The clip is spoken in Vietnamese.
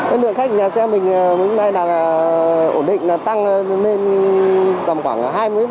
ổn định là tăng lên tầm khoảng hai mươi ba mươi